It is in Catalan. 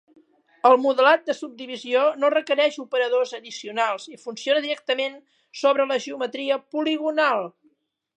El modelat de subdivisió no requereix operadors addicionals i funciona directament sobre la geometria poligonal.